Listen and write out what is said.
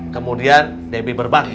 kemudian debbie berbagi